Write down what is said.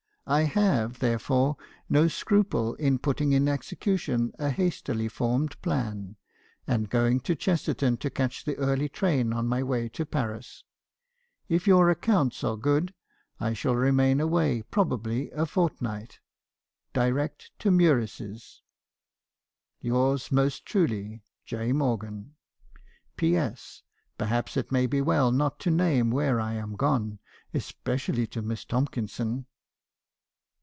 I have , therefore , no scruple in putting in execution a hastily formed plan, and going to Chesterton to catch the early train on my way to Paris. If your accounts are good , I shall remain away probably a fortnight. Direct to Meurice's. "' Yours , most truly, " 'J.Morgan. " 'P. S. Perhaps it may be as well not to name where I am gone, especially to Miss Tomkinson.'